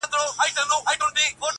او چوپتيا خپره ده هر ځای،